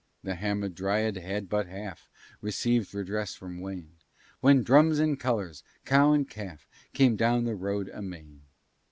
The hamadryad had but half Receiv'd redress from Wayne, When drums and colors, cow and calf, Came down the road amain.